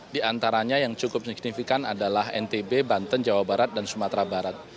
di antaranya yang cukup signifikan adalah ntb banten jawa barat dan sumatera barat